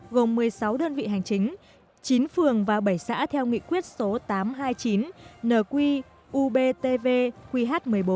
gồm một mươi sáu đơn vị hành chính chín phường và bảy xã theo nghị quyết số tám trăm hai mươi chín nqbtv qh một mươi bốn